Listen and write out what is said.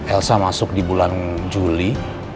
elsa masuk di bulan juli